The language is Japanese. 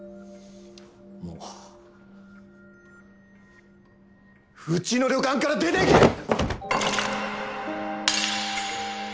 もううちの旅館から出ていけ！